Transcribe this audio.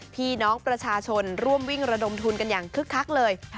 พี่น้องประชาชนร่วมวิ่งระดมทุนกันอย่างคึกคักเลย